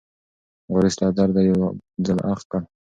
وارث له درده یو ځل اخ کړ.